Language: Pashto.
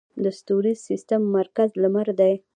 د ستوریز سیستم مرکز لمر دی